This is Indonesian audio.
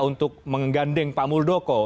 untuk menggandeng pak moldoko